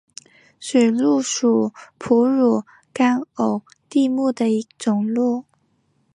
水鹿属哺乳纲偶蹄目的一种鹿。